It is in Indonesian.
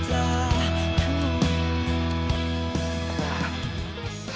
tidak ada yang bisa dihapus